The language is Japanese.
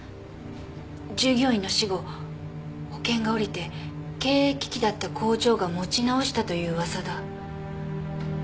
「従業員の死後保険が下りて経営危機だった工場が持ち直したという噂だ」